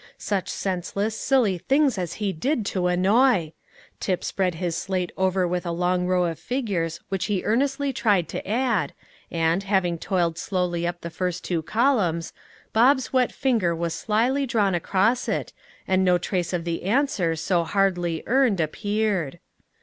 Such senseless, silly things as he did to annoy! Tip spread his slate over with a long row of figures which he earnestly tried to add, and, having toiled slowly up the first two columns, Bob's wet finger was slyly drawn across it, and no trace of the answer so hardly earned appeared.